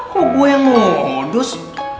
kok gue yang mudus